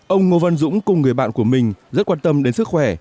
ông ngô văn dũng cùng người bạn của mình rất quan tâm đến sức khỏe